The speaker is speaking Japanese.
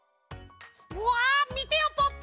うわみてよポッポ！